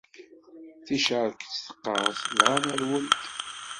Ticerket teqqers, dɣa nerwel-d.